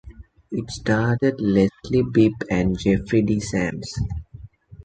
It starred Leslie Bibb and Jeffrey D. Sams.